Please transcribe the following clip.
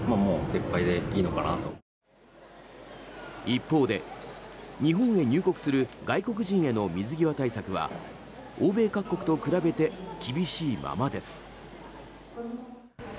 一方で、日本へ入国する外国人への水際対策は欧米各国と比べて厳しいままです。